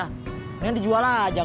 nih yang dijual aja